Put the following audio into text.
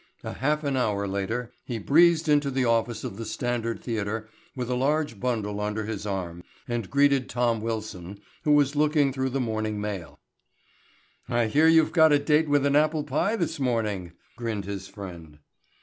A half an hour later he breezed into the office of the Standard Theatre with a large bundle under his arm and greeted Tom Wilson, who was looking through the morning mail. "I hear you've got a date with an apple pie this morning," grinned his friend.